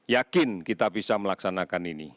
yakin kita bisa melaksanakan ini